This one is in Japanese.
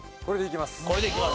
これでいきます。